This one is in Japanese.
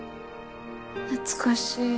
懐かしい